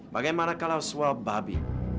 bagaimana kalau suap babi